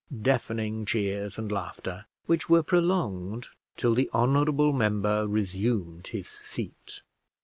(Deafening cheers and laughter, which were prolonged till the honourable member resumed his seat.)